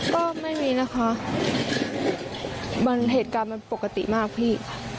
ก็ไม่มีนะคะมันเหตุการณ์มันปกติมากพี่